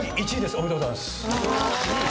おめでとうございます。